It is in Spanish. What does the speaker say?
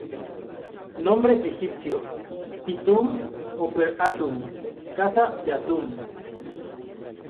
Nombre egipcio: Pi-Tum o Per-Atum "Casa de Atum".